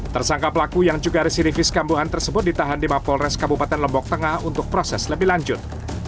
tersangka pelaku yang juga residivis kambuhan tersebut ditahan di mapolres kabupaten lombok tengah untuk proses lebih lanjut